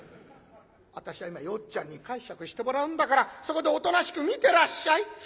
私は今よっちゃんに介錯してもらうんだからそこでおとなしく見てらっしゃい。